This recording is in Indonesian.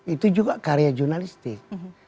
itu juga karya jurnalistik